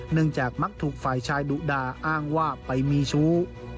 จากมักถูกฝ่ายชายดุด่าอ้างว่าไปมีชู้